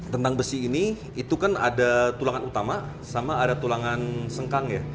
tentang besi ini itu kan ada tulangan utama sama ada tulangan sengkang ya